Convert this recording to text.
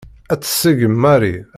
Ad tt-tṣeggem Mary.